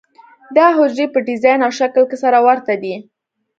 دا حجرې په ډیزاین او شکل کې سره ورته دي.